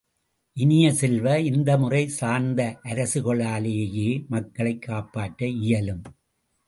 இனிய செல்வ, இந்த முறை சார்ந்த அரசுகளாலேயே மக்களைக் காப்பாற்ற இயலும்!